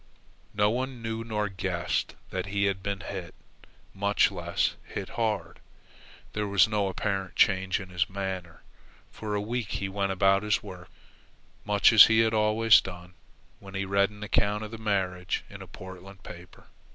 No one knew nor guessed that he had been hit, much less hit hard. There was no apparent change in his manner. For a week he went about his work much as he had always done, when he read an account of the marriage in a Portland paper.